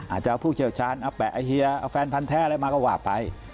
อาจจะเอาผู้เชี่ยวชาญเอาแฟนพันธุ์แท้อะไรมาก็ว่าไป